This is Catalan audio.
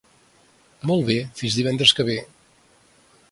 Molt bé; fins divendres que ve.